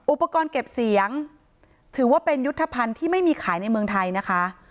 อุปกรณ์เก็บเสียงถือว่าเป็นยุทธภัณฑ์ที่ไม่มีขายในเมืองไทยนะคะ